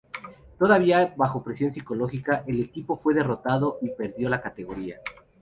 Todavía bajo presión psicológica, el equipo fue derrotado y perdió la categoría.